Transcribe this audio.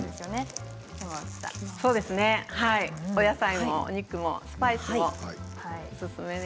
お野菜もお肉もスパイスもおすすめで。